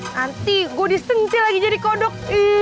nanti gue disentil lagi jadi kodok